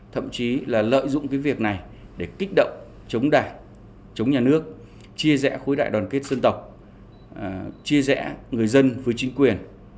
thậm chí là lợi dụng cái việc này để kích động chống đảng chống nhà nước chia rẽ khối đại đoàn kết dân tộc chia rẽ người dân với chính quyền